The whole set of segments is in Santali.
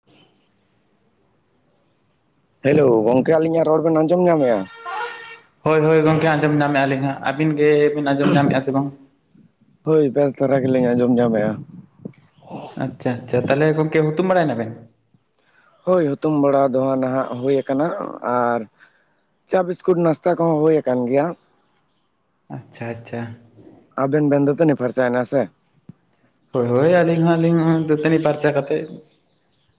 [inaudible] ᱦᱮᱞᱳ ᱜᱚᱝᱠᱮ, ᱟᱹᱞᱤᱧᱟᱜ ᱨᱚᱲ ᱵᱮᱱ ᱟᱸᱡᱚᱢ ᱧᱟᱢᱮᱜᱼᱟ? ᱦᱳᱭ ᱦᱳᱭ ᱜᱚᱝᱠᱮ ᱟᱸᱡᱚᱢ ᱧᱟᱢᱮᱫᱼᱟᱞᱤᱧ ᱦᱟᱸᱜ ᱾ ᱟᱹᱵᱤᱱ ᱜᱮᱵᱤᱱ ᱟᱸᱡᱚᱢ ᱧᱟᱢᱮᱜᱼᱟ ᱥᱮ ᱵᱟᱝ? ᱦᱳᱭ, ᱵᱮᱥ ᱫᱷᱟᱨᱟ ᱜᱮᱞᱤᱧ ᱟᱸᱡᱚᱢ ᱧᱟᱢᱮᱜᱼᱟ ᱾ ᱟᱪᱪᱷᱟ ᱟᱪᱪᱷᱟ, ᱛᱟᱦᱚᱞᱮ ᱜᱚᱝᱠᱮ ᱦᱛᱩᱢ ᱵᱟᱲᱟᱭᱮᱱᱟ ᱵᱮᱱ? ᱦᱳᱭ, ᱦᱩᱛᱩᱢ ᱵᱟᱲᱟ ᱫᱚ ᱱᱟᱦᱜ ᱦᱩᱭ ᱟᱠᱟᱱᱟ ᱟᱨ ᱪᱟ ᱵᱤᱥᱠᱩᱴ ᱱᱟᱥᱛᱟ ᱠᱚᱦᱚᱸ ᱦᱩᱭ ᱟᱠᱟᱱ ᱜᱮᱭᱟ ᱾ ᱟᱪᱪᱷᱟ ᱟᱪᱪᱷᱟ ᱾ ᱟᱵᱮᱱ ᱵᱮᱱ ᱫᱟᱹᱛᱟᱹᱱᱤ ᱯᱷᱚᱨᱪᱟᱭᱮᱱᱟ ᱥᱮ? ᱦᱳᱭ ᱦᱳᱭ, ᱟᱹᱞᱤᱧ ᱦᱚᱸ ᱟᱹᱞᱤᱧ ᱦᱚᱸ ᱫᱟᱹᱛᱟᱹᱱᱤ ᱯᱷᱟᱨᱪᱟ ᱠᱟᱛᱮ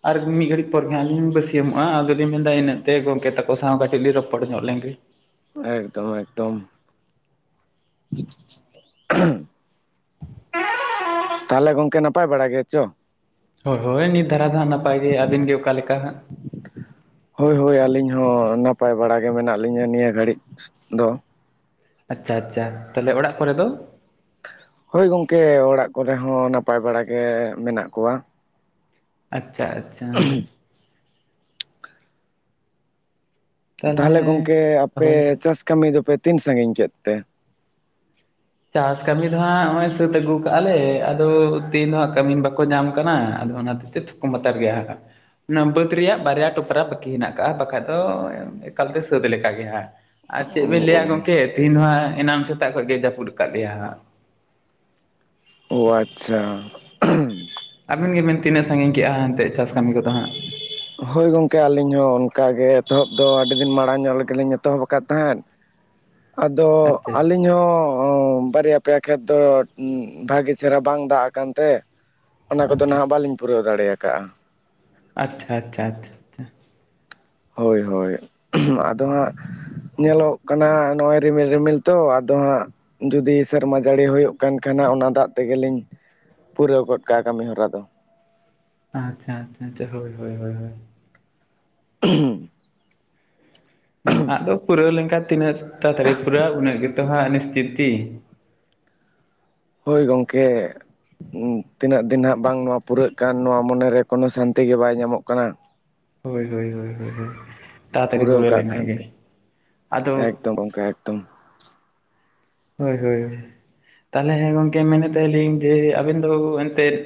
ᱟᱨ ᱢᱤᱫ ᱜᱷᱟᱹᱲᱤᱡ ᱯᱚᱨᱮ ᱦᱟᱸᱜ ᱟᱹᱞᱤᱧ ᱵᱟᱹᱥᱤᱭᱟᱢ ᱟᱫᱚᱞᱤᱧ ᱢᱮᱱᱫᱟ ᱤᱱᱟᱹ ᱚᱠᱛᱮ ᱜᱚᱝᱠᱮ ᱛᱟᱠᱚ ᱥᱟᱶ ᱠᱟᱹᱴᱤᱡ ᱞᱤᱧ ᱨᱚᱯᱚᱲ ᱨᱚᱯᱚᱲ ᱧᱚᱜ ᱞᱮᱱᱜᱮ ᱾ ᱮᱠᱫᱚᱢ ᱮᱠᱫᱚᱢ ᱾ [inaudible] ᱛᱟᱦᱚᱞᱮ ᱜᱚᱝᱠᱮ ᱱᱟᱯᱟᱭ ᱵᱟᱲᱟ ᱜᱮᱭᱟ ᱪᱚ? ᱦᱳᱭ ᱦᱳᱭ ᱱᱤᱛ ᱫᱷᱟᱨᱟ ᱫᱚᱦᱟᱸᱜ ᱱᱟᱯᱟᱭ ᱜᱮ ᱟᱹᱵᱤᱱ ᱜᱮ ᱚᱠᱟᱞᱮ ᱞᱮᱠᱟ ᱦᱟᱸᱜ ᱦᱳᱭ ᱦᱳᱭ ᱟᱹᱞᱤᱧ ᱦᱚᱸ ᱱᱟᱯᱟᱭ ᱵᱟᱲᱟ ᱜᱮ ᱢᱮᱱᱟᱜ ᱞᱤᱧᱟᱹ ᱱᱤᱭᱟᱹ ᱜᱷᱟᱹᱲᱤᱡ ᱫᱚ ᱟᱪᱪᱷᱟ ᱟᱪᱪᱷᱟ ᱛᱟᱦᱚᱞᱮ ᱚᱲᱟᱜ ᱠᱚᱨᱮ ᱫᱚ ᱦᱳᱭ ᱜᱚᱝᱠᱮ ᱚᱲᱟᱜ ᱠᱚᱨᱮ ᱦᱚᱸ ᱱᱟᱯᱟᱭ ᱵᱟᱲᱟ ᱜᱮ ᱢᱮᱱᱟᱜ ᱠᱚᱣᱟ ᱟᱪᱪᱷᱟ ᱟᱪᱪᱷᱟ ᱛᱟᱦᱚᱞᱮ ᱛᱟᱦᱞᱮ ᱜᱚᱝᱠᱮ ᱟᱯᱮ ᱦᱳᱭ ᱪᱟᱥ ᱠᱟᱹᱢᱤ ᱫᱚᱯᱮ ᱛᱤᱱ ᱥᱟᱺᱜᱤᱧ ᱠᱮᱫ ᱛᱮ ᱪᱟᱥ ᱠᱟᱹᱢᱤ ᱫᱚᱦᱟᱸᱜ ᱱᱚᱜᱼᱚᱭ ᱥᱟᱹᱛ ᱟᱹᱜᱩ ᱠᱟᱜᱼᱟᱞᱮ ᱟᱫᱚ ᱛᱮᱤᱱ ᱫᱚ ᱦᱟᱸᱜ ᱠᱟᱹᱢᱤᱱ ᱵᱟᱠᱚ ᱧᱟᱢ ᱠᱟᱱᱟ ᱟᱫᱚ ᱚᱱᱟᱛᱮ ᱛᱠᱚᱛᱟᱨ ᱜᱮᱭᱟ [inaudible] ᱚᱱᱟ ᱵᱟᱹᱫ ᱨᱮᱭᱟᱜ ᱵᱟᱨᱭᱟ ᱴᱚᱯᱨᱟ ᱵᱟᱟᱹᱠᱤ ᱦᱮᱱᱟᱠᱟᱜᱼᱟ ᱵᱟᱠᱷᱟᱡ ᱫᱚ ᱮᱠᱟᱞᱛᱮ ᱥᱟᱹᱛ ᱞᱮ ᱞᱮᱠᱟ ᱜᱮ ᱦᱟᱸ ᱟᱨ ᱪᱮᱫ ᱵᱮᱱ ᱞᱮᱭᱟ ᱚ ᱜᱚᱢᱠᱮ ᱛᱤᱦᱤᱧ ᱫᱚᱟᱸ ᱮᱱᱟᱱ ᱥᱮᱛᱟᱜ ᱠᱷᱚᱡ ᱜᱮ ᱡᱟᱹᱯᱩᱫ ᱠᱟᱫ ᱞᱮᱭᱟ ᱦᱟᱸᱜ ᱚᱦᱚ ᱟᱪᱪᱷᱟ ᱟᱵᱤᱱ ᱜᱮᱵᱮᱱ ᱛᱤᱱᱟᱹᱜ ᱥᱟᱺᱜᱤᱧ ᱠᱮᱜᱼᱟ ᱦᱟᱱᱛᱮ ᱪᱟᱥ ᱠᱟᱹᱢᱤ ᱠᱚᱫᱚ ᱦᱟᱸᱜ ᱦᱳᱭ ᱜᱚᱢᱠᱮ ᱟᱹᱞᱤᱧ ᱦᱚᱸ ᱚᱱᱠᱟ ᱜᱮ ᱮᱛᱚᱦᱚᱵ ᱫᱚ ᱟᱹᱰᱤ ᱫᱤᱱ ᱢᱟᱲᱟᱝ ᱧᱚᱜ ᱨᱮᱜᱮ ᱞᱤᱧ ᱮᱛᱚᱦᱚᱵ ᱟᱠᱟᱫ ᱛᱟᱦᱮᱸᱫ ᱟᱫᱚ ᱟᱪᱪᱷᱟ ᱟᱞᱮ ᱤᱧᱦᱚᱸ ᱦᱚᱸ ᱵᱟᱨᱭᱟ ᱯᱮᱭᱟ ᱠᱷᱮᱛ ᱫᱚ ᱵᱷᱟᱜᱤ ᱪᱮᱦᱨᱟ ᱵᱟᱝ ᱫᱟᱜ ᱟᱠᱟᱱ ᱛᱮ ᱚᱱᱟ ᱠᱚᱫᱚ ᱟᱪᱪᱷᱟ ᱦᱟᱜ ᱵᱟᱞᱤᱧ ᱯᱩᱨᱟᱹᱣ ᱫᱟᱲᱮᱭᱟᱠᱟᱜᱼᱟ ᱟᱪᱪᱷᱟ ᱟᱪᱪᱷᱟ ᱟᱪᱪᱷᱟ ᱦᱳᱭ ᱦᱳᱭ ᱟᱫᱚ ᱦᱟᱸᱜ ᱧᱮᱞᱚᱜ ᱠᱟᱱᱟ ᱱᱚᱜᱚᱼᱭ ᱨᱤᱢᱤᱞ ᱨᱤᱢᱤᱞ ᱛᱚ ᱟᱫᱚ ᱦᱟᱸᱜ ᱡᱩᱫᱤ ᱥᱮᱨᱢᱟ ᱡᱟᱹᱲᱤ ᱦᱩᱭᱩᱜ ᱠᱟᱱ ᱠᱷᱟᱱ ᱚᱱᱟ ᱫᱟᱜ ᱛᱮᱜᱮᱞᱤᱧ- ᱯᱩᱨᱟᱹᱣ ᱜᱚᱫ ᱠᱟᱜ ᱠᱟᱹᱢᱤ ᱦᱚᱨᱟ ᱫᱚ ᱟᱪᱪᱷᱟ ᱟᱪᱪᱷᱟ ᱪᱚ ᱦᱳᱣ ᱦᱳᱣ ᱦᱩᱸ [unintelligible] ᱟᱜᱫᱚ ᱯᱩᱨᱟᱹᱣ ᱞᱮᱱᱠᱷᱟᱡ ᱛᱤᱱᱟᱹᱜ ᱛᱟᱲᱟᱛᱟᱲᱤ ᱯᱩᱨᱟᱹᱜ ᱩᱱᱟᱹᱜ ᱜᱮᱛᱚ ᱦᱟᱸᱜ ᱱᱤᱥᱪᱤᱛᱤ ᱦᱳᱭ ᱜᱚᱢᱠᱮ ᱛᱤᱱᱟᱹᱜ ᱫᱤᱱ ᱦᱟᱸᱜ ᱵᱟᱝ ᱱᱚᱣᱟ ᱯᱩᱨᱟᱹᱜ ᱠᱟᱱ ᱱᱚᱣᱟ ᱢᱚᱱᱮᱨᱮ ᱠᱳᱱᱳ ᱥᱟᱱᱛᱤ ᱜᱮ ᱵᱟᱭ ᱧᱟᱢᱚᱜ ᱠᱟᱱᱟ ᱦᱳᱭ ᱦᱳᱭ ᱦᱳᱭ ᱦᱳᱭ ᱦᱳᱭ ᱛᱟᱲᱟ ᱛᱟᱹᱨᱤ ᱯᱩᱨᱟᱹᱣ ᱵᱩᱨᱚᱭ ᱞᱮᱠᱷᱟᱭ ᱜᱮ ᱟᱫᱚ ᱫᱚᱢ ᱚᱱᱠᱟ ᱮᱠᱫᱚᱢ ᱦᱳᱭ ᱦᱳᱭ ᱛᱟᱦᱚᱞᱮ ᱜᱚᱝᱠᱮ ᱢᱮᱱᱮᱫ ᱛᱟᱦᱮᱞᱤᱧ ᱡᱮ ᱟᱹᱵᱮᱱ ᱫᱚ ᱮᱱᱛᱮᱫ-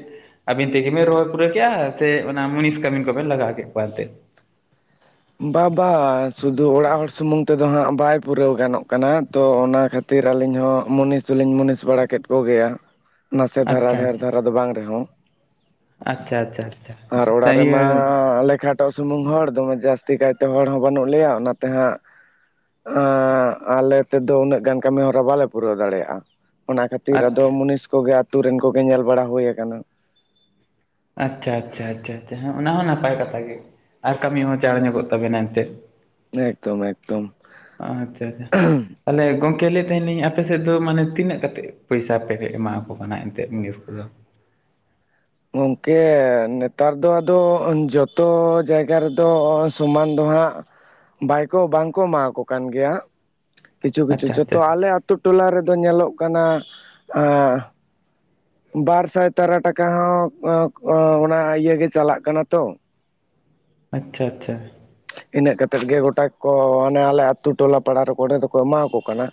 ᱟᱹᱵᱤᱱ ᱛᱮᱜᱮ ᱵᱤᱱ ᱨᱚᱦᱚᱭ ᱯᱩᱨᱟᱹ ᱠᱮᱼᱟ ᱥᱮ ᱚᱱᱟ ᱢᱩᱱᱤᱥ ᱠᱟᱹᱢᱤᱱ ᱠᱚᱵᱮᱱ ᱞᱟᱜᱟᱣ ᱠᱮᱫ ᱠᱚᱣᱟ ᱮᱱᱛᱮᱫ ᱵᱟᱵᱟ ᱥᱩᱫᱩ ᱚᱲᱟᱜ ᱦᱚᱲ ᱥᱩᱢᱩᱝ ᱛᱮᱫᱚ ᱦᱟᱸᱜ ᱵᱟᱭ ᱯᱩᱨᱟᱹᱣ ᱜᱟᱱᱚᱜ ᱠᱟᱱᱟ ᱛᱚ ᱚᱱᱟ ᱠᱷᱟᱹᱛᱤᱨ ᱠᱷᱟᱹᱛᱤᱨ ᱟᱹᱞᱤᱧ ᱦᱚᱸ ᱢᱩᱱᱤᱥ ᱫᱚᱞᱤᱧ ᱢᱩᱱᱤᱥ ᱵᱟᱲᱟ ᱠᱮᱫ ᱠᱚᱜᱮᱭᱟ ᱱᱟᱥᱮ ᱫᱷᱟᱨᱟ ᱟᱪᱪᱷᱟ ᱰᱷᱮᱨ ᱫᱷᱟᱨᱟ ᱫᱚ ᱵᱟᱝ ᱨᱮᱦᱚᱸ ᱟᱪᱪᱷᱟ ᱟᱪᱪᱷᱟ ᱟᱪᱪᱷᱟ ᱟᱨ ᱚᱲᱟᱜ ᱤᱭᱟᱹ ᱨᱮᱢᱟ ᱟᱞᱮ ᱠᱷᱟᱴᱚᱜ ᱥᱩᱢᱩᱝ ᱦᱚᱲ ᱫᱚᱢᱮ ᱡᱟᱹᱥᱛᱤ ᱪᱮᱠᱟᱭᱛᱮ ᱦᱚᱲ ᱦᱚᱸ ᱵᱟᱹᱱᱩᱜ ᱞᱮᱭᱟ ᱚᱱᱟᱛᱮ ᱦᱟᱸᱜ ᱟᱸᱻ ᱟᱞᱮ ᱛᱮᱫᱚ ᱩᱱᱟᱹᱜ ᱜᱟᱱ ᱠᱟᱹᱢᱤ ᱦᱚᱨᱟ ᱵᱟᱞᱮ ᱯᱩᱨᱟᱹᱣ ᱫᱟᱲᱮᱭᱟᱜᱼᱟ ᱚᱱᱟ ᱠᱷᱟᱹᱛᱤᱨ ᱟᱫᱚ ᱟᱪᱪᱷᱟ ᱢᱩᱱᱤᱥ ᱠᱚᱜᱮ ᱟᱛᱩ ᱨᱮᱱ ᱠᱚᱜᱮ ᱧᱮᱞ ᱵᱟᱲᱟ ᱦᱩᱭ ᱟᱠᱟᱱᱟ ᱟᱪᱪᱷᱟ ᱟᱪᱪᱷᱟ ᱟᱪᱪᱷᱟ ᱚᱱᱟ ᱦᱚᱸ ᱱᱟᱯᱟᱭ ᱠᱟᱛᱷᱟ ᱜᱮ ᱟᱨ ᱠᱟᱹᱢᱤ ᱦᱚᱸ ᱪᱟᱲᱮᱸ ᱧᱚᱜᱚᱺ ᱛᱟᱵᱮᱱᱟ ᱮᱱᱛᱮ ᱮᱠᱫᱚᱢ ᱮᱠᱫᱚᱢ ᱟᱪᱪᱷᱟ ᱟᱪᱪᱷᱟ ᱛᱟᱦᱚᱞᱮ ᱜᱚᱝᱠᱮ ᱞᱟᱹᱭᱮᱫ ᱛᱟᱦᱮᱱᱟᱹᱧ ᱟᱯᱮ ᱥᱮᱫ ᱫᱚ ᱢᱟᱱᱮ ᱛᱤᱱᱟᱹᱜ ᱠᱟᱛᱮᱫ ᱯᱚᱭᱥᱟ ᱯᱮ ᱮᱢᱟᱠᱚ ᱠᱟᱱᱟ ᱮᱱᱛᱮᱫ ᱡᱤᱱᱤᱥ ᱠᱚᱫᱚ ᱜᱚᱢᱠᱮ ᱱᱮᱛᱟᱨ ᱫᱚ ᱟᱫᱚ ᱡᱚᱛᱚ ᱡᱟᱭᱜᱟ ᱨᱮᱫᱚ ᱥᱚᱢᱟᱱ ᱫᱚ ᱦᱟᱸᱜ ᱵᱟᱭᱠᱚ ᱵᱟᱝᱠᱚ ᱮᱢᱟᱠᱚ ᱠᱟᱱ ᱜᱮᱭᱟ, ᱠᱤᱪᱷᱩ ᱠᱤᱪᱷᱩ ᱟᱪᱪᱷᱟ ᱟᱪᱪᱷᱟ ᱡᱚᱛᱚ ᱟᱞᱮ ᱟᱹᱛᱩ ᱴᱚᱞᱟ ᱨᱮᱫᱚ ᱧᱮᱞᱚᱜ ᱠᱟᱱᱟ ᱵᱟᱨ ᱥᱟᱭ ᱛᱟᱨᱟ ᱴᱟᱠᱟ ᱚᱱᱟ ᱦᱚᱸ ᱜᱮ ᱪᱟᱞᱟᱜ ᱠᱟᱱᱟ ᱛᱚ, ᱟᱪᱪᱷᱟ ᱟᱪᱪᱷᱟ ᱤᱱᱟᱹᱜ ᱠᱟᱛᱮᱫ ᱜᱮ ᱜᱚᱴᱟ ᱠᱚ ᱚᱱᱮ ᱟᱞᱮ ᱟᱹᱛᱩ ᱴᱚᱞᱟ ᱯᱟᱲᱟ ᱨᱮ ᱚᱸᱰᱮ ᱫᱚᱠᱚ ᱮᱢᱟᱠᱚ ᱠᱟᱱᱟ᱾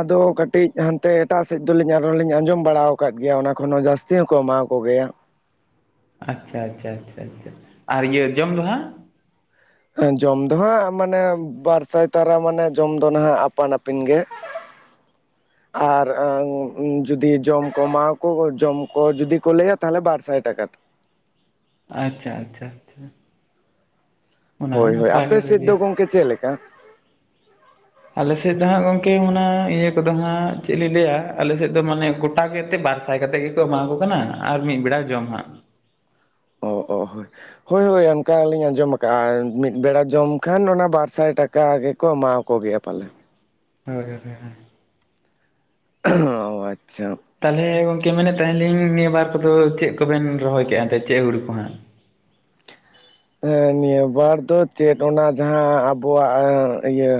ᱟᱫᱚ ᱠᱟᱹᱴᱤᱡ ᱦᱟᱱᱛᱮ ᱮᱴᱟᱜ ᱥᱮᱫ ᱫᱚᱞᱤᱧ ᱟᱨᱚᱸ ᱞᱤᱧ ᱟᱸᱡᱚᱢ ᱵᱟᱲᱟ ᱟᱠᱟᱫ ᱜᱮᱭᱟ ᱚᱱᱟ ᱠᱷᱚᱱᱚᱱ ᱦᱚᱸ ᱡᱟᱹᱥ ᱛᱤ ᱦᱚᱸᱠᱚ ᱮᱢᱟᱣ ᱠᱚ ᱜᱮᱭᱟ᱾ ᱟᱪᱪᱷᱟ ᱟᱪᱪᱷᱟ ᱟᱪᱪᱷᱟ ᱟᱨ ᱤᱭᱟᱹ ᱡᱚᱢ ᱫᱚ ᱦᱟᱸᱜ, ᱮ ᱡᱚᱢ ᱫᱚ ᱦᱟᱸᱜ ᱢᱟᱱᱮ ᱵᱟᱨ ᱥᱟᱭ ᱛᱟᱨᱟ ᱢᱟᱱᱮ ᱡᱚᱢ ᱫᱚ ᱱᱟᱦᱟᱜ ᱟᱯᱟᱱ ᱟᱹᱯᱤᱱ ᱜᱮ᱾ [unintelligible] ᱟᱨ ᱡᱩᱫᱤ ᱡᱚᱢ ᱠᱚ ᱮᱢᱢᱟᱠᱚ ᱡᱚᱢ ᱠᱚ ᱡᱩᱫᱤ ᱠᱚ ᱞᱟᱹᱭᱟ ᱛᱟᱦᱚᱞᱮ ᱵᱟᱨ ᱥᱟᱭ ᱴᱟᱠᱟ᱾ ᱟᱪᱪᱷᱟ ᱟᱪᱪᱷᱟ ᱟᱪᱪᱷᱟ ᱚᱱᱟ ᱦᱚᱸ ᱦᱳᱭ ᱦᱳᱭ ᱟᱯᱮ ᱱᱟᱯᱟᱭ ᱥᱮᱫ ᱜᱮ ᱫᱚ ᱜᱚᱢᱠᱮ ᱪᱮᱫ ᱞᱮᱠᱟ? ᱟᱞᱮᱥᱮᱫ ᱫᱚ ᱦᱟᱸᱜ ᱜᱚᱝᱠᱮ ᱚᱱᱟ ᱤᱭᱟᱹ ᱠᱚᱫᱚ ᱦᱟᱸᱜ ᱪᱮᱫ ᱞᱤᱧ ᱞᱟᱹᱭᱟ ᱟᱞᱮᱥᱮᱫ ᱫᱚ ᱢᱟᱱᱮ ᱜᱚᱴᱟᱜᱮ ᱛᱮ ᱵᱟᱨ ᱥᱟᱭ ᱠᱟᱛᱮᱫ ᱜᱮᱠᱚ ᱮᱢᱟ ᱠᱚ ᱠᱟᱱᱟ ᱟᱨ ᱢᱤᱫ ᱵᱮᱲᱟ ᱡᱚᱢ ᱦᱟᱸᱜ᱾ ᱚ ᱚ ᱦᱳᱭ ᱦᱳᱭ ᱚᱱᱠᱟᱞᱤᱧ ᱟᱸᱡᱚᱢ ᱟᱠᱟᱜᱼᱟ ᱢᱤᱫ ᱵᱮᱲᱟ ᱡᱚᱢ ᱠᱷᱟᱱ ᱚᱱᱟ ᱵᱟᱨ ᱥᱟᱭ ᱴᱟ ᱠᱟ ᱜᱮᱠᱚ ᱮᱢᱟᱣᱟ ᱠᱚᱜᱮᱭᱟ ᱯᱟᱞᱮ᱾ ᱦᱳᱭ ᱦᱳᱭ ᱦᱚᱸ ᱟᱪᱪᱷᱟ ᱛᱟᱞᱦᱮ ᱜᱚᱝᱠᱮ ᱢᱮᱱᱮᱫ ᱛᱟᱸᱦᱮᱱ ᱞᱤᱧ ᱱᱤᱭᱟᱹ ᱵᱟᱨ ᱠᱚᱫᱚ ᱪᱮᱫ ᱠᱚᱵᱤᱱ ᱨᱚᱦᱚᱭ ᱠᱮᱫᱼᱟ ᱮᱱᱛᱮ ᱪᱮᱫ ᱦᱩᱲᱩ ᱠᱚ ᱦᱟᱸᱜ? ᱦᱮᱸ ᱱᱤᱭᱟᱹ ᱵᱟᱨ ᱫᱚ ᱪᱮᱫ ᱚᱱᱟ ᱡᱟᱦᱟᱸ ᱟᱵᱚᱣᱟᱜ ᱤᱭᱟᱹ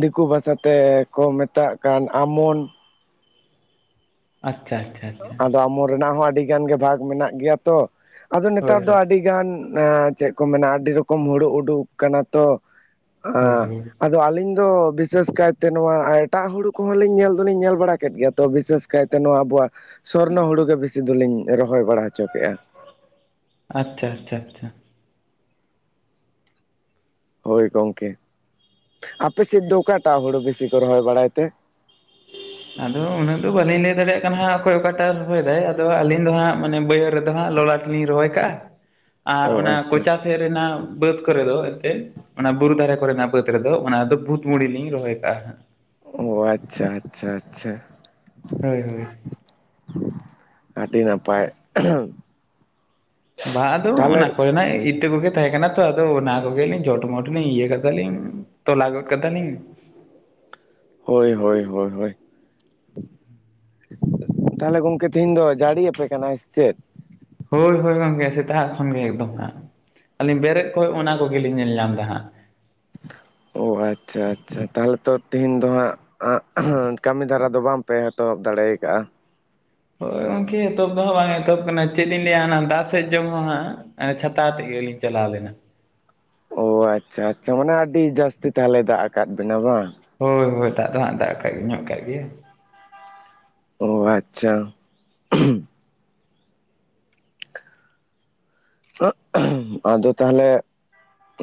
ᱫᱤᱠᱩ ᱵᱷᱟᱥᱟ ᱛᱮᱠᱚ ᱢᱮᱛᱟᱜ ᱠᱟᱱ ᱟᱢᱳᱱ, ᱟᱪᱪᱷᱟ ᱟᱪᱪᱷᱟ ᱟᱪᱪᱷᱟ ᱟᱫᱚ ᱟᱢᱚ ᱨᱮᱱᱟᱜ ᱦᱚᱸ ᱟᱹᱰᱤ ᱜᱟᱱ ᱜᱮ ᱵᱷᱟᱜᱽ ᱢᱮᱱᱟᱜ ᱜᱮᱭᱟ ᱛᱚ ᱟᱫᱚ ᱦᱳᱭ ᱱᱮᱛᱟᱨ ᱫᱚ ᱦᱳᱭ ᱟᱹᱰᱤ ᱟᱹᱰᱤ ᱜᱟᱱ ᱪᱮᱫ ᱠᱚ ᱢᱮᱱᱟ ᱟᱹᱰᱤ ᱨᱚᱠᱚᱢ ᱦᱩᱲᱩ ᱩᱰᱩᱠ ᱟᱠᱟᱱᱟ ᱛᱚ᱾ [unintelligible] ᱟᱫᱚ ᱟᱹᱞᱤᱧ ᱫᱚ ᱵᱤᱥᱮᱥ ᱠᱟᱭᱛᱮ ᱱᱚᱣᱟ ᱮᱴᱟᱜ ᱦᱩᱲᱩ ᱠᱚᱦᱚᱸᱤᱧ ᱧᱮᱞ ᱫᱚᱞᱤᱧ ᱧᱮᱞ ᱵᱟᱲᱟ ᱠᱮᱫ ᱜᱮᱭᱟ ᱛᱚ ᱵᱤᱥᱮᱥ ᱠᱟᱭᱛᱮ ᱱᱚᱣᱟ ᱟᱵᱚᱣᱟᱜ ᱥᱚᱨᱱᱚ ᱦᱩᱲᱩ ᱜᱮ ᱵᱮᱥᱤ ᱫᱚᱞᱤᱧ ᱨᱚᱦᱚᱭ ᱵᱟᱲᱟ ᱦᱚᱪᱚ ᱠᱮᱜᱼᱟ᱾ ᱟᱪᱪᱷᱟ ᱟᱪᱪᱷᱟ ᱟᱪᱷᱟ ᱦᱳᱭ ᱜᱚᱝᱠᱮ᱾ ᱟᱯᱮ ᱥᱮᱫ ᱫᱚ ᱚᱠᱟᱴᱟᱜ ᱦᱩᱲᱩ ᱵᱮᱥᱤ ᱠᱚ ᱨᱚᱦᱚᱭ ᱵᱟᱲᱟᱭ ᱛᱮ? ᱟᱫᱚ ᱩᱱᱟᱹᱜ ᱫᱚ ᱵᱟᱟᱹᱞᱤᱧ ᱞᱟᱹᱭ ᱫᱟᱲᱮᱭᱟᱜ ᱠᱟᱱᱟ ᱦᱟᱸᱜ ᱚᱠᱚᱭ ᱚᱠᱟᱴᱟᱜ ᱨᱚᱦᱚᱭᱮᱫᱟᱭ ᱟᱫᱚ ᱟᱹᱞᱤᱧ ᱫᱚ ᱦᱟᱸᱜ ᱢᱟᱱᱮ ᱵᱟᱹᱭᱦᱟᱹᱲ ᱨᱮᱫᱚ ᱦᱟᱸᱜ ᱞᱚᱞᱟᱴ ᱫᱚᱞᱤᱧ ᱨᱚᱦᱚᱭ ᱠᱟᱜᱼᱟ᱾ [inaudible] ᱟᱨ ᱚᱱᱟ ᱟᱪᱪᱷᱟ ᱠᱚᱪᱟ ᱥᱮᱫ ᱨᱮᱱᱟᱜ ᱵᱟᱹᱫᱽ ᱠᱚᱨᱮ ᱫᱚ ᱮᱠᱮᱱ ᱚᱱᱟ ᱵᱩᱨᱩ ᱫᱟᱨᱮ ᱠᱚᱨᱮᱱᱟᱜ ᱵᱟᱹᱫᱽ ᱨᱮᱫᱚ ᱚᱱᱟᱫᱚ ᱵᱷᱩᱛ ᱢᱩᱰᱤ ᱞᱤᱧ ᱨᱚᱦᱚᱭ ᱠᱟᱜᱼᱟ ᱱᱟᱦᱟᱸᱜ᱾ ᱚ ᱟᱪᱪᱷᱟ ᱟᱪᱪᱷᱟ ᱟᱪᱪᱷᱟ ᱦᱳᱭ ᱦᱳᱭ ᱟᱹᱰᱤ ᱱᱟᱯᱟᱭ ᱵᱟ ᱟᱫᱚ ᱛᱟᱦᱚᱞᱮ ᱚᱱᱟ ᱠᱚᱨᱮᱱᱟᱜ ᱤᱛᱟᱹ ᱠᱚᱜᱮ ᱛᱟᱦᱮᱸ ᱠᱟᱱᱟ ᱛᱚ ᱟᱫᱚ ᱚᱱᱟ ᱠᱚᱜᱮ ᱞᱤᱧ ᱪᱚᱴ ᱢᱚᱴ ᱞᱤᱧ ᱤᱭᱟᱹ ᱠᱟᱫᱟᱞᱤᱧ ᱛᱚᱞᱟᱜᱚᱫ ᱠᱟᱫᱟᱞᱤᱧ᱾ ᱦᱳᱭ ᱦᱳᱭ ᱦᱳᱭ ᱦᱳᱭ ᱛᱟᱸᱦᱚᱞᱮ ᱜᱚᱝᱠᱮ ᱛᱦᱮᱧ ᱫᱚ ᱡᱟᱹᱲᱤᱭᱟ ᱟᱯᱮ ᱠᱟᱱᱟᱭ ᱥᱮᱪᱮᱫ? ᱦᱳᱭ ᱦᱳᱭ ᱜᱚᱢᱠᱮ ᱥᱮᱛᱟᱜ ᱠᱷᱚᱱ ᱜᱮ ᱮᱠᱫᱚᱢ ᱦᱟᱸᱜ, ᱟᱹᱞᱤᱧ ᱵᱮᱨᱮᱫ ᱠᱷᱚᱱ ᱚᱱᱟ ᱠᱚᱜᱮᱞᱤᱧ ᱧᱮᱞ ᱧᱟᱢ ᱮᱫᱟ ᱦᱟᱸᱜ᱾ ᱚ ᱟᱪᱪᱷᱟ ᱟᱪᱪᱷᱟ ᱛᱟᱦᱞᱮ ᱛᱚ ᱛᱮᱦᱮᱧ ᱫᱚ ᱦᱟᱸᱜ, ᱠᱟᱹᱢᱤ ᱫᱷᱟᱨᱟ ᱫᱚ ᱵᱟᱝᱯᱮ ᱮᱛᱚᱦᱚᱵ ᱫᱟᱲᱮ ᱟᱠᱟᱜᱼᱟ? ᱦᱳᱭ ᱜᱚᱢᱠᱮ ᱮᱛᱚᱦᱚᱵ ᱫᱚᱦᱟᱸᱜ ᱵᱟᱝ ᱮᱛᱚᱦᱚᱵ ᱟᱠᱟᱱᱟ ᱪᱮᱫ ᱤᱧ ᱞᱟᱹᱭᱟ ᱚᱱᱟ ᱫᱟᱜ ᱥᱮᱫ ᱡᱚᱢ ᱦᱚᱸ ᱦᱟᱸᱜ, ᱮᱸ ᱟᱪᱷᱟᱛᱟ ᱟᱛᱮ ᱜᱮ ᱞᱤᱧ ᱪᱟᱞᱟᱣ ᱞᱮᱱᱟ᱾ ᱚ ᱟᱪᱪᱷᱟ ᱟᱪᱪᱷᱟ ᱢᱟᱱᱮ ᱟᱹᱰᱤ ᱡᱟᱹᱥᱛᱤ ᱛᱟᱦᱟᱞᱮ ᱫᱟᱜ ᱟᱠᱟᱫ ᱵᱤᱱᱟ ᱵᱟᱝ? ᱦᱳᱭ ᱦᱳᱭ ᱫᱟᱜ ᱫᱚ ᱦᱟᱸᱜ ᱫᱟᱜ ᱟᱠᱟᱜ ᱧᱚᱜ ᱠᱟᱜ ᱜᱮᱭᱟ᱾ ᱚ ᱟᱪᱪᱷᱟ [unintelligible] ᱟᱫᱚ ᱛᱟᱦᱚᱞᱮ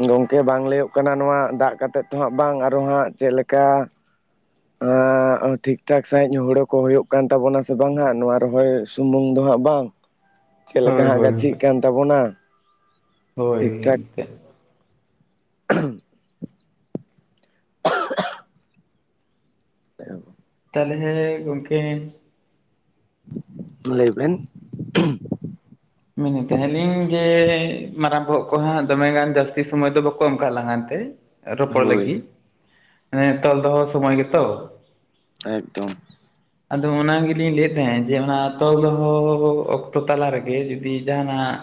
ᱜᱚᱝᱠᱮ ᱵᱟᱝ ᱞᱟᱹᱭᱚᱜ ᱠᱟᱱᱟ ᱱᱚᱣᱟ ᱫᱟᱜ ᱠᱟᱛᱮᱫ ᱛᱚ ᱦᱟᱸᱜ ᱵᱟᱝ ᱟᱨᱚ ᱦᱟᱸᱜ ᱪᱮᱫ ᱞᱮᱠᱟ ᱟᱸᱻᱟᱸ ᱴᱷᱤᱠ ᱴᱷᱟᱠ ᱥᱟᱺᱦᱤᱡ ᱦᱩᱲᱳ ᱠᱚ ᱦᱩᱭᱩᱜ ᱠᱟᱱ ᱛᱟᱵᱚᱱᱟ ᱥᱮ ᱵᱟᱝ ᱦᱟᱸᱜ ᱱᱚᱣᱟ ᱨᱚᱦᱚᱭ ᱥᱩᱢᱩᱝ ᱫᱚ ᱦᱟᱸᱜ ᱵᱟᱝ ᱪᱮᱫ ᱞᱮᱠᱟ ᱦᱳᱭ ᱦᱟᱸᱜ ᱦᱳᱭ ᱜᱟᱹᱪᱷᱤᱜ ᱦᱳᱭ ᱠᱟᱱ ᱛᱟᱵᱚᱱᱟ᱾ ᱴᱷᱤᱠ ᱦᱳᱭ ᱴᱷᱟᱠ ᱮᱱᱛᱮᱜ [unintelligible] ᱛᱟᱦᱞᱮ ᱦᱮᱸ ᱜᱚᱝᱠᱮ ᱞᱟᱹᱭ ᱵᱮᱱ? ᱢᱮᱱᱮᱫ ᱛᱟᱦᱮᱸᱱ ᱞᱤᱧ ᱡᱮ ᱢᱟᱨᱟᱝ ᱵᱚᱦᱚᱜ ᱠᱚ ᱦᱟᱸᱜ ᱫᱚᱢᱮ ᱜᱟᱱ ᱡᱟᱹᱥᱛᱤ ᱥᱚᱢᱚᱭ ᱫᱚ ᱵᱟᱠᱚ ᱮᱢ ᱠᱟᱜ ᱞᱟᱸᱜᱼᱟ ᱮᱱᱛᱮᱜ ᱨᱚᱯᱚᱲ ᱦᱳᱭ ᱞᱟᱹᱜᱤᱫ ᱛᱚᱞ ᱫᱚᱦᱚ ᱥᱚᱢᱚᱭ ᱜᱮᱛᱚ ᱮᱠᱫᱚᱢ ᱟᱫᱚ ᱚᱱᱟ ᱜᱮᱞᱤᱧ ᱞᱟᱹᱭᱮᱫ ᱛᱟᱦᱮᱸᱫ ᱡᱮ ᱚᱱᱟ ᱛᱚᱞ ᱫᱚᱦᱚ ᱚᱠᱛᱚ ᱛᱟᱞᱟ ᱨᱮᱜᱮ ᱡᱩ ᱫᱤ ᱡᱟᱦᱟᱱᱟᱜ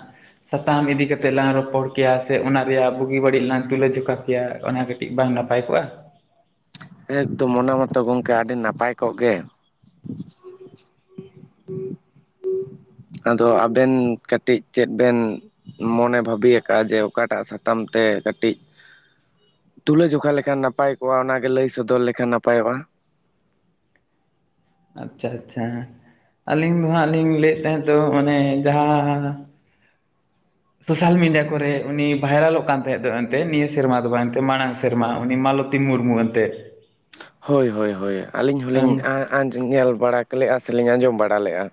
ᱥᱟᱛᱟᱢ ᱤᱫᱤ ᱠᱟᱛᱮᱜ ᱞᱟᱝ ᱨᱚᱯᱚᱲ ᱠᱮᱭᱟ ᱥᱮ ᱚᱱᱟ ᱨᱮᱭᱟᱜ ᱵᱩᱜᱤ ᱵᱟᱹᱲᱤᱡ ᱞᱟᱝ ᱛᱩᱞᱟᱹ ᱡᱚᱠᱷᱟ ᱠᱮᱭᱟ ᱚᱱᱟ ᱠᱟᱹᱴᱤᱡ ᱠᱟᱹᱴᱤᱡ ᱵᱟᱝ ᱱᱟᱯᱟᱭ ᱠᱚᱜᱼᱟ? ᱮᱠᱫᱚᱢ ᱢᱚᱱᱟ ᱢᱚᱛᱚ ᱜᱚᱝᱠᱮ ᱟᱹᱰᱤ ᱱᱟᱯᱟᱭ ᱠᱚᱜ ᱜᱮ ᱟᱫᱚ ᱟᱵᱮᱱ ᱠᱟᱹᱴᱤᱡ ᱪᱮᱫ ᱵᱮᱱ? ᱢᱚᱱᱮ ᱵᱷᱟᱹᱵᱤᱭᱟ ᱟᱠᱟᱫᱼᱟ ᱡᱮ ᱚᱠᱟᱴᱟᱜ ᱥᱟᱛᱟᱢ ᱛᱮ ᱠᱟᱹᱴᱤᱡ? ᱛᱩᱞᱟᱹ ᱡᱚᱠᱷᱟ ᱞᱮᱠᱷᱟᱱ ᱱᱟᱯᱟᱭ ᱠᱚᱜᱼᱟ ᱚᱱᱟᱜᱮ ᱞᱟᱹᱭ ᱥᱚᱫᱚᱨ ᱞᱮᱠᱷᱟᱱ ᱱᱟᱯᱟᱭ ᱚᱜᱼᱟ ᱟᱪᱪᱷᱟ ᱟᱪᱷᱟ ᱟᱹᱞᱤᱧ ᱫᱚ ᱦᱟᱸᱜ ᱞᱤᱧ ᱞᱟᱹᱭᱮᱫ ᱛᱟᱦᱮᱸ ᱫᱚ ᱚᱱᱮ ᱡᱟᱦᱟᱸ ᱥᱳᱥᱟᱞ ᱢᱤᱰᱤᱭᱟ ᱠᱚᱨᱮ ᱩᱱᱤ ᱵᱷᱟᱭᱨᱟᱞᱚᱜ ᱠᱟᱱ ᱛᱟᱦᱮᱸᱫ ᱫᱚ ᱮᱱᱛᱮᱫ ᱱᱤᱭᱟᱹ ᱥᱮᱨᱢᱟ ᱫᱚ ᱵᱟᱝ ᱮᱱᱛᱮ ᱢᱟᱲᱟᱝ ᱥᱮ ᱥᱮᱨᱢᱟ ᱩᱱᱤ ᱢᱟᱞᱚᱛᱤ ᱢᱩᱨᱢᱩ ᱮᱱᱛᱮᱫ ᱦᱳᱭ ᱦᱳᱭ ᱦᱳᱭ ᱟᱹᱞᱤᱧ ᱦᱚᱞᱤᱧ ᱟᱸᱻᱟᱸᱻ ᱟᱸᱡᱚ ᱧᱮᱞ ᱵᱟᱲᱟ ᱠᱮᱞᱮᱜᱼᱟ ᱥᱮᱞᱤᱧ ᱟᱸᱡᱚᱢ ᱵᱟᱲᱟ ᱞᱮᱫᱼᱟ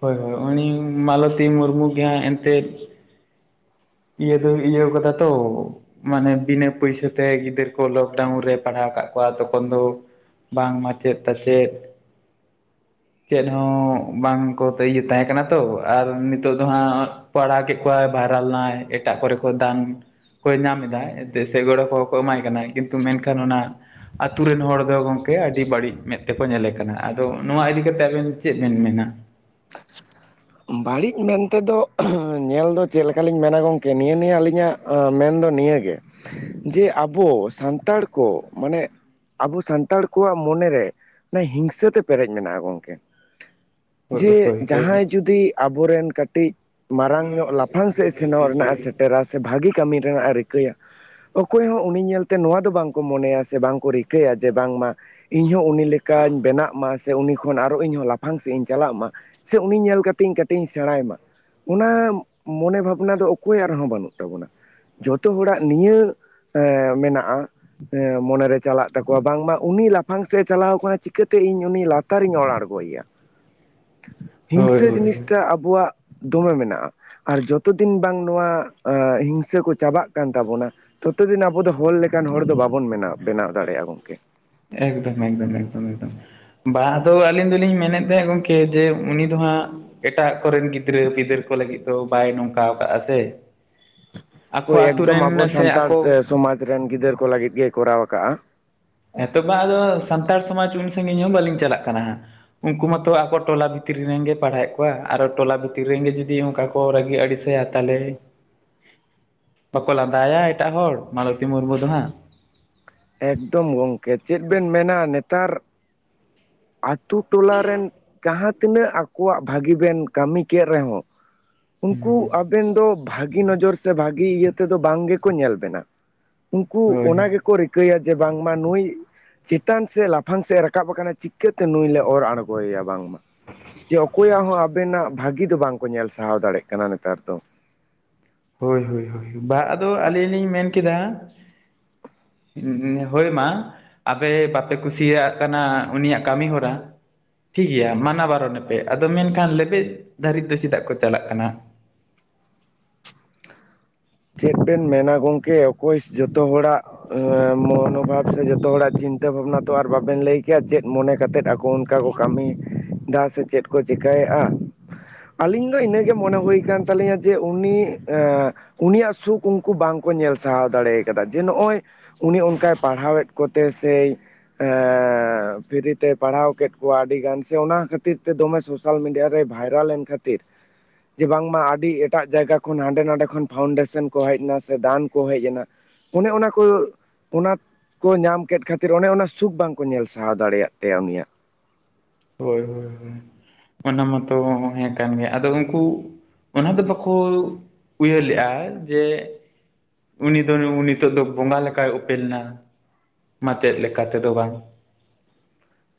ᱦᱳᱭ ᱦᱳᱭ ᱩᱱᱤ ᱢᱟᱞᱚᱛᱤ ᱢᱩᱨᱢᱩ ᱜᱮ ᱦᱟᱸᱜ ᱮᱱᱛᱮᱫ ᱤᱭᱟᱹ ᱫᱚ ᱤᱭᱟᱹᱣ ᱠᱟᱫᱟ ᱛᱚ ᱢᱟᱱᱮ ᱵᱤᱱᱟᱹ ᱯᱩᱭᱥᱟᱹᱛᱮ ᱜᱤᱫᱟᱹᱨ ᱠᱚ ᱞᱚᱠᱰᱟᱣᱩᱱ ᱨᱮ ᱯᱟᱲᱦᱟᱣ ᱠᱟᱜ ᱠᱚᱣᱟ ᱛᱚᱠᱷᱚᱱ ᱫᱚ ᱵᱟᱝ ᱢᱟᱪᱮᱫ ᱛᱟᱥᱮᱫ ᱪᱮᱫ ᱦᱚᱸ ᱵᱟᱝᱠᱚ ᱤᱭᱟᱹ ᱛᱟᱦᱮᱸ ᱠᱟᱱᱟ ᱛᱚ ᱟᱨ ᱱᱤᱛᱚᱜ ᱫᱚ ᱦᱟᱸᱜ ᱯᱟᱲᱟᱣ ᱠᱮᱫ ᱠᱚᱣᱟᱭ ᱵᱷᱟᱭᱨᱟᱞ ᱱᱟᱭ ᱮᱴᱟᱜ ᱠᱚᱨᱮ ᱠᱚ ᱫᱟᱱ ᱠᱚᱭ ᱧᱟᱢ ᱮᱫᱟᱭ ᱮᱱᱛᱮ ᱥᱮ ᱜᱚᱲᱚ ᱠᱚᱦᱚᱸ ᱠᱚ ᱮᱢᱟᱭ ᱠᱟᱱᱟ ᱠᱤᱱᱛᱩ ᱢᱮᱱᱠᱷᱟᱱ ᱚᱱᱟ ᱟᱹᱛᱩ ᱨᱮᱱ ᱦᱚᱲ ᱫᱚ ᱜᱚᱝᱠᱮ ᱟᱹᱰᱤ ᱵᱟᱹᱲᱤᱡ ᱢᱮᱸᱫ ᱛᱮᱠᱚ ᱧᱮᱞᱮ ᱠᱟᱱᱟ ᱟᱫᱚ ᱱᱚᱣᱟ ᱤᱫᱤ ᱠᱟ ᱛᱮ ᱟᱵᱮᱱ ᱪᱮᱫ ᱵᱮᱱ ᱢᱮᱱᱟ? ᱵᱟᱹᱲᱤᱡ ᱢᱮᱱᱛᱮ ᱫᱚ ᱧᱮᱞ ᱫᱚ ᱪᱮᱫ ᱞᱮᱠᱟ ᱞᱤᱧ ᱢᱮᱱᱟ ᱜᱚᱝᱠᱮ ᱱᱤᱭᱟᱹ ᱱᱤᱭᱟᱹ ᱟᱹᱞᱤᱧᱟᱜ ᱟᱸᱻ ᱢᱮᱱᱫᱚ ᱱᱤᱭᱟᱹ ᱜᱮ ᱡᱮ ᱟᱵᱚ ᱥᱟᱱᱛᱟᱲ ᱠᱚ ᱢᱟᱱᱮ ᱟᱵᱚ ᱥᱟᱱᱛᱟᱲ ᱠᱚᱣᱟᱜ ᱢᱚᱱᱮᱨᱮ ᱦᱤᱝᱥᱟᱹ ᱛᱮ ᱯᱮᱨᱮᱡᱽ ᱢᱮᱱᱟᱜᱼᱟ ᱜᱚᱝᱠᱮ ᱦᱳᱭ ᱡᱮ ᱦᱳᱭ ᱦᱳᱭ ᱡᱟᱦᱟᱸᱭ ᱡᱩᱫᱤ ᱟᱵᱚᱨᱮᱱ ᱠᱟᱹᱴᱤᱡ ᱢᱟᱨᱟᱝ ᱧᱚᱜ ᱞᱟᱯᱷᱟᱝ ᱥᱮᱫ ᱥᱮᱱᱚᱜ ᱨᱮᱱᱟᱜ ᱥᱮᱴᱮᱨᱟ ᱥᱮ ᱵᱷᱟᱜᱤ ᱠᱟᱹᱢᱤ ᱨᱮᱱᱟᱜ ᱮ ᱨᱤᱠᱟᱹᱭᱟ ᱚᱠᱚᱭ ᱦᱚᱸ ᱩᱱᱤ ᱧᱮᱞᱛᱮ ᱱᱚᱣᱟ ᱫᱚ ᱵᱟᱝᱠᱚ ᱢᱚᱱᱮᱭᱟ ᱥᱮ ᱵᱟᱝᱠᱚ ᱨᱤᱠᱟᱹᱭᱟ ᱡᱮ ᱵᱟᱝᱢᱟ ᱤᱧᱦᱚᱸ ᱩᱱᱤ ᱞᱮᱠᱟᱧ ᱵᱮᱱᱟᱜ ᱢᱟ ᱥᱮ ᱩᱱᱤ ᱠᱷᱚᱱ ᱟᱨᱚ ᱤᱧᱦᱚᱸ ᱞᱟᱯᱷᱟᱝ ᱥᱮᱫ ᱤᱧ ᱪᱟᱞᱟᱜ ᱢᱟ ᱥᱮ ᱩᱱᱤ ᱧᱮᱞ ᱠᱟᱛᱮᱧ ᱠᱟᱹᱴᱤᱡ ᱤᱧ ᱥᱮᱬᱟᱭ ᱢᱟ ᱚᱱᱟ ᱢᱚᱱᱮ ᱵᱷᱟᱵᱽᱱᱟ ᱫᱚ ᱚᱠᱚᱭᱟᱜ ᱨᱮᱦᱚᱸ ᱵᱟᱹᱱᱩᱜ ᱛᱟᱵᱚᱱᱟ ᱡᱚᱛᱚ ᱦᱚᱲᱟᱜ ᱱᱤᱭᱟᱹ ᱮᱸᱻ ᱢᱮᱱᱟᱜᱼᱟ ᱮᱸ ᱢᱚᱱᱮᱨᱮ ᱪᱟᱞᱟᱜ ᱛᱟᱠᱚᱣᱟ ᱵᱟᱝᱢᱟ ᱩᱱᱤ ᱞᱟᱯᱷᱟᱝ ᱥᱮᱫ ᱮ ᱪᱟᱞᱟᱣ ᱠᱟᱱᱟ ᱪᱤᱠᱟᱹ ᱛᱮ ᱤᱧ ᱩᱱᱤ ᱞᱟ ᱛᱟᱨ ᱤᱧ ᱚᱲ ᱟᱬᱜᱚᱭᱮᱭᱟ ᱦᱳᱭ ᱦᱤᱝᱥᱟᱹ ᱦᱳᱭ ᱡᱤᱱᱤᱥᱴᱟ ᱟᱵᱚᱣᱟᱜ ᱫᱚᱢᱮ ᱢᱮᱱᱟᱜᱼᱟ ᱟᱨ ᱡᱚᱛᱚ ᱫᱤᱱ ᱵᱟᱝ ᱱᱚᱣᱟ ᱦᱤᱝᱥᱟᱹ ᱠᱚ ᱪᱟᱵᱟᱜ ᱠᱟᱱ ᱛᱟᱵᱚᱱᱟ ᱛᱚᱛᱚ ᱫᱤᱱ ᱟᱵᱚ ᱫᱚ ᱦᱚᱲ ᱞᱮᱠᱟᱱ ᱦᱚᱲ ᱫᱚ ᱵᱟᱵᱚᱱ ᱵᱮᱱᱟᱣ ᱵᱮᱱᱟᱣ ᱫᱟᱲᱮᱭᱟᱜᱼᱟ ᱜᱚᱝᱠᱮ ᱮᱠᱫᱚᱢ ᱮᱠᱫᱚᱢ ᱮᱠᱫᱚᱢ ᱮᱠᱫᱚᱢ ᱵᱟ ᱟᱫᱚ ᱟᱹᱞᱤᱧ ᱫᱚᱞᱤᱧ ᱢᱮᱱᱮᱫ ᱛᱟᱦᱮᱸᱫ ᱜᱚᱝᱠᱮ ᱡᱮ ᱩᱱᱤ ᱫᱚ ᱦᱟᱸᱜ ᱮᱴᱟᱜ ᱠᱚᱨᱮᱱ ᱜᱤᱫᱽᱨᱟᱹ ᱯᱤᱫᱟᱹᱨ ᱠᱚ ᱞᱟᱹᱜᱤᱫ ᱫᱚ ᱵᱟᱭ ᱱᱚᱝᱠᱟ ᱟᱠᱟᱜ-ᱟ ᱥᱮ? ᱟᱠᱚ ᱦᱳᱭ ᱟᱛᱳ ᱮᱠᱫᱚᱢ ᱨᱮᱱ ᱟᱵᱚ ᱥᱮ ᱥᱟᱱᱛᱟᱲ ᱟᱠᱚ ᱥᱚᱢᱟᱡ ᱨᱮᱱ ᱜᱤᱫᱽᱟᱹᱨ ᱠᱚ ᱞᱟᱹᱜᱤᱫ ᱜᱮ ᱠᱚᱨᱟᱣ ᱟᱠᱟᱜ-ᱟ᱾ ᱦᱮᱸ ᱛᱚᱵᱟ ᱟᱫᱚ ᱥᱟᱱᱛᱟᱲ ᱥᱚᱢᱟᱡᱽ ᱩᱱ ᱥᱟᱜᱤᱧ ᱦᱚᱸ ᱵᱟᱹᱞᱤᱧ ᱪᱟᱞᱟᱜ ᱠᱟᱱᱟ ᱦᱟᱸᱜ ᱩᱱᱠᱩ ᱢᱟᱛᱚ ᱟᱠᱚ ᱴᱚᱞᱟ ᱵᱷᱤᱛᱨᱤ ᱨᱮᱱᱜᱮ ᱯᱟᱲᱦᱟᱣᱮᱫ ᱠᱚᱣᱟ ᱟᱨᱚ ᱴᱚᱞᱟ ᱵᱷᱤᱛᱤᱨ ᱨᱮ ᱨᱮᱱᱜᱮ ᱡᱩᱫᱤ ᱚᱱᱠᱟ ᱠᱚ ᱨᱟᱹᱜᱤ ᱟᱹᱲᱤᱥᱟ ᱛᱟᱦᱞᱮ [inaudible] ᱵᱟᱠᱚ ᱞᱟᱸᱫᱟᱭᱟ ᱮᱴᱟᱜ ᱦᱚᱲ ᱢᱟᱞᱚᱛᱤ ᱢᱩᱨᱢᱩ ᱫᱚ ᱦᱟᱸᱜ? ᱮᱠᱫᱚᱢ ᱜᱚᱢᱠᱮ ᱪᱮᱫ ᱵᱮᱱ ᱢᱮᱱᱟ ᱱᱮᱛᱟᱨ ᱟᱹᱛᱩ ᱴᱚᱞᱟᱨᱮᱱ ᱡᱟᱦᱟᱸ ᱛᱤᱱᱟᱹᱜ ᱟᱠᱚᱣᱟᱜ ᱵᱷᱟᱹᱜᱤ ᱵᱮᱱ ᱠᱟᱹᱢᱤ ᱠᱮᱫ ᱨᱮᱦᱚᱸ ᱩᱱᱠᱩ ᱟᱵᱮᱱ ᱫᱚ ᱵᱷᱟᱹᱜᱤ ᱱᱚᱡᱚᱨ ᱥᱮ ᱵᱷᱟᱜᱤ ᱤᱭᱟᱹ ᱛᱮᱫᱚ ᱵᱟᱝ ᱜᱮᱠᱚ ᱧᱮᱞ ᱵᱮᱱᱟ ᱩᱱᱠᱩ ᱦᱳᱭ ᱚᱱᱟ ᱜᱮ ᱠᱚ ᱨᱤᱠᱟᱹᱭᱟ ᱡᱮ ᱵᱟᱝᱢᱟ ᱱᱩᱭ ᱪᱮᱛᱟᱱ ᱥᱮ ᱞᱟᱯᱷᱟᱝ ᱥᱮᱫ ᱨᱟᱠᱟᱵ ᱟᱠᱟᱱᱟ ᱪᱤᱠᱟᱹᱛᱮ ᱱᱩᱭ ᱞᱮ ᱚᱨ ᱟᱬᱜᱚᱭᱮᱭᱟ ᱵᱟᱝᱢᱟ ᱡᱮ ᱚᱠᱚᱭᱟᱜ ᱦᱚᱸ ᱟᱵᱮᱱᱟᱜ ᱵᱷᱟᱹᱜᱤ ᱫᱚ ᱵᱟᱝ ᱠᱚ ᱧᱮᱞ ᱥᱟᱦᱟᱣ ᱫᱟᱲᱮᱭᱟᱜ ᱠᱟᱱᱟ ᱱᱮᱛᱟᱨ ᱫᱚ ᱦᱳᱭ ᱦᱳᱭ ᱦᱳᱭ ᱵᱟᱝ ᱟᱫᱚ ᱟᱹᱞᱤᱧ ᱞᱤᱧ ᱢᱮᱱ ᱠᱮᱫᱟ ᱦᱳᱭ ᱢᱟ ᱟᱯᱮ ᱵᱟᱯᱮ ᱠᱩᱥᱤᱭᱟᱜ ᱠᱟᱱᱟ ᱩᱱᱤᱭᱟᱜ ᱠᱟᱹᱢᱤ ᱦᱚᱨᱟ ᱴᱷᱤᱠ ᱜᱮᱭᱟ ᱢᱟᱱᱟ ᱵᱟᱨᱚᱱᱮᱯᱮ ᱟᱫᱚ ᱢᱮᱱᱠᱷᱟᱱ ᱞᱮᱵᱮᱫ ᱫᱷᱟᱹᱨᱤᱡ ᱫᱚ ᱪᱮᱫᱟᱜ ᱠᱚ ᱪᱟᱞᱟᱜ ᱠᱟᱱᱟ ᱪᱮᱫ ᱵᱮᱱ ᱢᱮᱱᱟ ᱜᱚᱝᱠᱮ ᱚᱠᱚᱭ ᱡᱚᱛᱚ ᱦᱚᱲᱟᱜ ᱢᱚᱱᱳᱵᱷᱟᱵ ᱥᱮ ᱡᱚᱛᱚ ᱦᱚᱲᱟᱜ ᱪᱤᱱᱛᱟᱹ ᱵᱷᱟᱵᱱᱟ ᱛᱚ ᱟᱨ ᱵᱟᱵᱮᱱ ᱞᱟᱹᱭ ᱠᱮᱭᱟ ᱪᱮᱫ ᱩᱱ ᱚᱱᱠᱟ ᱠᱚ ᱠᱟᱹᱢᱤᱭᱮᱫᱟ ᱥᱮ ᱪᱮᱫ ᱠᱚ ᱪᱤᱠᱟᱹᱭᱮᱫ-ᱟ ᱟᱹᱞᱤᱧ ᱫᱚ ᱤᱱᱟᱹᱜᱮ ᱢᱚᱱᱮ ᱦᱩᱭ ᱠᱟᱱ ᱛᱟᱹᱞᱤᱧᱟ ᱡᱮ ᱩᱱᱤ ᱩᱱᱤᱭᱟᱜ ᱥᱩᱠ ᱩᱱᱠᱩ ᱵᱟᱝ ᱠᱚ ᱧᱮᱞ ᱥᱟᱦᱟᱣ ᱫᱟᱲᱮ ᱠᱟᱫᱟ ᱡᱮ ᱱᱚᱜ-ᱚᱭ ᱩᱱᱤ ᱚᱱᱠᱟᱭ ᱯᱟᱲᱦᱟᱣᱮᱫ ᱠᱚᱛᱮ ᱥᱮ ᱦᱮᱻ ᱯᱷᱤᱨᱤ ᱛᱮᱭ ᱯᱟᱲᱦᱟᱣ ᱠᱮᱫ ᱠᱚᱣᱟ ᱟᱹᱰᱤ ᱜᱟᱱ ᱥᱮ ᱚᱱᱟ ᱠᱷᱟᱹᱛᱤᱨ ᱛᱮ ᱫᱚᱢᱮ ᱥᱳᱥᱟᱞ ᱢᱤᱰᱤᱭᱟ ᱨᱮ ᱵᱷᱟᱭᱨᱟᱞ ᱮᱱ ᱠᱷᱟᱹᱛᱤᱨ ᱡᱮ ᱵᱟᱝ ᱢᱟ ᱟᱹᱰᱤ ᱮᱴᱟᱜ ᱡᱟᱭᱜᱟ ᱠᱷᱚᱱ ᱦᱟᱸᱰᱮ ᱱᱟᱰᱮ ᱠᱷᱚᱱ ᱯᱷᱟᱣᱩᱱᱰᱮᱥᱚᱱ ᱠᱚ ᱦᱮᱡ ᱮᱱᱟ ᱥᱮ ᱫᱟᱱ ᱠᱚ ᱦᱮᱡ ᱮᱱᱟ ᱚᱱᱮ ᱚᱱᱟ ᱠᱚ ᱚᱱᱟ ᱠᱚ ᱧᱟᱢ ᱠᱮᱫ ᱠᱷᱟᱹᱛᱤᱨ ᱚᱱᱮ ᱚᱱᱟ ᱥᱩᱠ ᱵᱟᱝ ᱠᱚ ᱧᱮᱞ ᱥᱟᱦᱟᱣ ᱫᱟᱲᱮᱭᱟᱜ ᱛᱟᱭᱟ ᱩᱱᱤᱭᱟᱜ ᱦᱳᱭ ᱦᱳᱭ ᱚᱱᱟ ᱢᱟᱛᱚ ᱦᱮᱸ ᱠᱟᱱ ᱜᱮᱭᱟ ᱟᱫᱚ ᱩᱱᱠᱩ ᱚᱱᱟ ᱫᱚ ᱵᱟᱠᱚ ᱩᱭᱦᱟᱹᱨ ᱞᱮᱜ-ᱟ ᱡᱮ ᱩᱱᱤ ᱫᱚ ᱱᱤᱛᱚᱜ ᱫᱚ ᱵᱚᱸᱜᱟ ᱞᱮᱠᱟᱭ ᱩᱯᱮᱞ ᱮᱱᱟ ᱢᱟᱪᱮᱫ ᱞᱮᱠᱟ ᱛᱮᱫᱚ ᱵᱟᱝ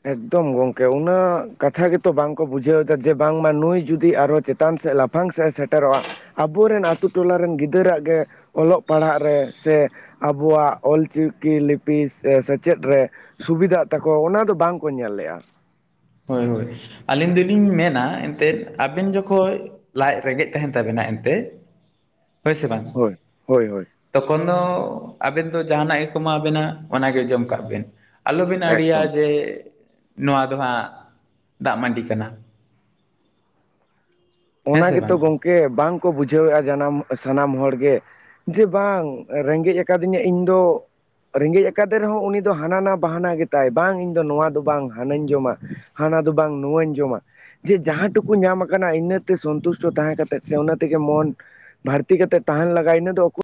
ᱮᱠᱫᱚᱢ ᱜᱚᱝᱠᱮ ᱩᱱᱟᱹᱜ ᱠᱟᱛᱷᱟ ᱜᱮᱛᱚ ᱵᱟᱝᱠᱚ ᱵᱩᱡᱷᱟᱹᱣ ᱮᱫᱟ ᱡᱮ ᱵᱟᱝᱢᱟ ᱱᱩᱭ ᱡᱩᱫᱤ ᱟᱨᱦᱚ ᱪᱮᱛᱟᱱ ᱥᱮᱫ ᱞᱟᱯᱷᱟᱝ ᱞᱟᱯᱷᱟᱝ ᱥᱮᱫ ᱮ ᱥᱮᱴᱮᱨᱚᱜ-ᱟ ᱟᱵᱚᱨᱮᱱ ᱟᱛᱳ ᱴᱚᱞᱟ ᱨᱮᱱ ᱜᱤᱫᱟᱹᱨᱟᱜ ᱜᱮ ᱚᱞᱚᱜ ᱯᱟᱲᱦᱟᱜ ᱨᱮ ᱥᱮ ᱟᱵᱚᱣᱟᱜ ᱚᱞᱪᱤᱠᱤ ᱞᱤᱯᱤ ᱥᱮᱪᱮᱫ ᱨᱮ ᱥᱩᱵᱤᱫᱷᱟᱜ ᱛᱟᱠᱚᱣᱟ ᱚᱱᱟ ᱫᱚ ᱵᱟᱝ ᱠᱚ ᱧᱮᱞ ᱞᱮᱫ-ᱟ ᱦᱳᱭ ᱦᱳᱭ ᱟᱹᱞᱤᱧ ᱫᱚ ᱞᱤᱧ ᱢᱮᱱᱟ ᱮᱱᱛᱮᱫ ᱟᱵᱮᱱ ᱡᱚᱠᱷᱚᱱ ᱞᱟᱡ ᱨᱮᱸᱜᱮᱡ ᱛᱟᱦᱮᱱ ᱛᱟᱵᱤᱱᱟ ᱮᱱᱛᱮ ᱦᱳᱭ ᱥᱮ ᱵᱟᱝ ᱦᱳᱭ ᱦᱳᱭ ᱦᱳᱭ ᱛᱚᱠᱷᱚᱱ ᱫᱚ ᱟᱵᱮᱱ ᱫᱚ ᱡᱟᱦᱟᱸᱱᱟᱜ ᱜᱮᱠᱚ ᱮᱢᱟ ᱵᱮᱱᱟ ᱚᱱᱟ ᱜᱮ ᱡᱚᱢ ᱠᱟᱜ ᱵᱤᱱ ᱟᱞᱚᱵᱤᱱ ᱟᱹᱲᱤᱭᱟ ᱮᱠᱫᱚᱢ ᱡᱮ ᱱᱚᱣᱟ ᱫᱚ ᱦᱟᱸᱜ ᱫᱟᱜ ᱢᱟᱺᱰᱤ ᱠᱟᱱᱟ ᱦᱮᱸ ᱚᱱᱟ ᱥᱮ ᱜᱮᱛᱚ ᱵᱟᱝ ᱜᱚᱝᱠᱮ ᱵᱟᱝᱠᱚ ᱵᱩᱡᱷᱟᱹᱣᱮᱫ-ᱟ ᱡᱟᱱᱟᱢ ᱥᱟᱱᱟᱢ ᱦᱚᱲ ᱜᱮ ᱡᱮ ᱵᱟᱝ ᱨᱮᱸᱜᱮᱡ ᱟᱠᱟᱫᱤᱧᱟ ᱤᱧ ᱫᱚ ᱨᱮᱸᱜᱮᱡ ᱟᱠᱟᱫᱮ ᱨᱮᱦᱚᱸ ᱩᱱᱤ ᱫᱚ ᱦᱟᱱᱟ ᱱᱟᱣᱟ ᱵᱟᱦᱟᱱᱟ ᱜᱮᱛᱟᱭ ᱵᱟᱝ ᱤᱧ ᱫᱚ ᱱᱚᱣᱟ ᱫᱚ ᱵᱟᱝ ᱦᱟᱱᱟᱧ ᱡᱚᱢᱟ ᱦᱟᱱᱟ ᱫᱚ ᱵᱟᱝ ᱱᱚᱣᱟᱧ ᱡᱚᱢᱟ ᱡᱮ ᱡᱟᱦᱟᱸ ᱴᱩᱠᱩ ᱧᱟᱢ ᱟᱠᱟᱱᱟ ᱤᱱᱟᱹ ᱥᱚᱱᱛᱩᱥᱴᱚ ᱛᱟᱦᱮᱸ ᱠᱟᱛᱮ ᱥᱮ ᱚᱱᱟ ᱛᱮᱜᱮ ᱢᱚᱱ ᱵᱷᱟᱨᱛᱤ ᱠᱟᱛᱮ ᱛᱟᱦᱮᱱ ᱞᱟᱜᱟᱭ ᱤᱱᱟᱹ ᱫᱚ